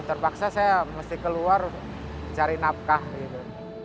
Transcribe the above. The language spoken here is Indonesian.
terpaksa saya mesti keluar cari nafkah gitu